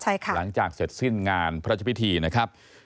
ใช่ค่ะหลังจากเสร็จสิ้นงานพระราชพิธีนะครับ